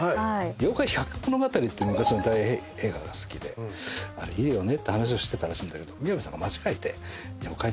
『妖怪百物語』って昔の映画が好きであれいいよねって話をしてたらしいんだけど宮部さんが間違えて。